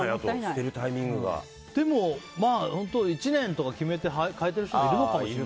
でも、１年とか決めて替えてる人はいるのかもね。